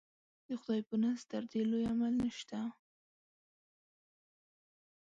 د خدای په نزد تر دې لوی عمل نشته.